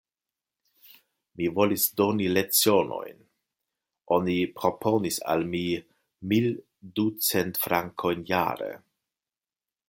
Mi volis doni lecionojn: oni proponis al mi mil ducent frankojn jare.